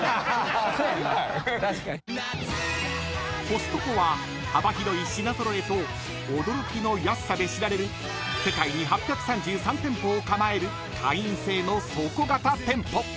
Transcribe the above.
［コストコは幅広い品揃えと驚きの安さで知られる世界に８３３店舗を構える会員制の倉庫型店舗］